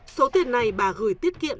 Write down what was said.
số tiền này bà gửi tiết kiệm